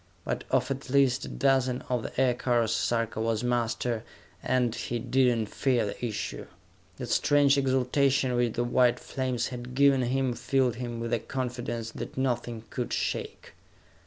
But of at least a dozen of the aircars, Sarka was master, and he did not fear the issue. That strange exaltation which the white flames had given him filled him with a confidence that nothing could shake.